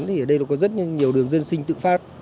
thì ở đây nó có rất nhiều đường dân sinh tự phát